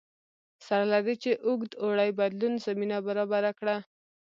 سره له دې چې اوږد اوړي بدلون زمینه برابره کړه